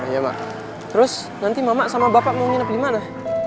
iya mbak terus nanti mama sama bapak mau nginep di mana